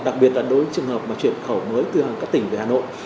đặc biệt là đối với trường hợp mà chuyển khẩu mới từ các tỉnh về hà nội